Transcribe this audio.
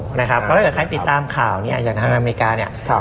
เพราะถ้าใครติดตามข่าวเนี่ยทางอเมริกาเนี่ย